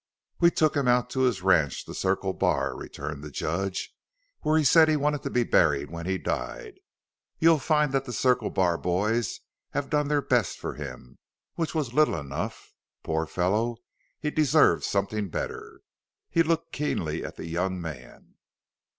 "We took him out to his ranch the Circle Bar," returned the judge, "where he said he wanted to be buried when he died. You'll find that the Circle Bar boys have done their best for him which was little enough. Poor fellow, he deserved something better." He looked keenly at the young man.